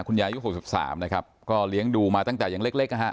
คุณยายุคหกสิบสามนะครับก็เลี้ยงดูมาตั้งแต่ยังเล็กเล็กฮะ